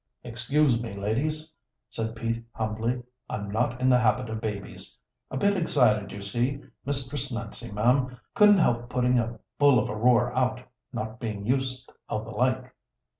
"Excuse me, ladies," said Pete humbly, "I'm not in the habit of babies. A bit excited, you see, Mistress Nancy, ma'am. Couldn't help putting a bull of a roar out, not being used of the like."